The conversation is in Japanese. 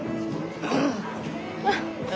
ああ。